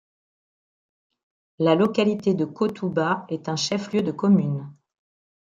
La localité de Kotouba est un chef-lieu de commune.